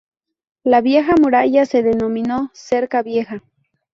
La vieja muralla se denominó "cerca vieja".